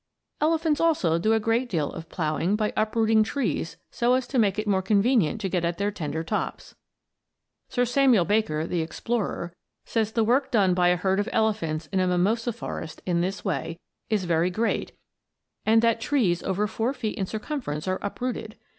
Elephants also do a great deal of ploughing by uprooting trees so as to make it more convenient to get at their tender tops. Sir Samuel Baker, the explorer, says the work done by a herd of elephants in a mimosa forest in this way is very great and that trees over four feet in circumference are uprooted.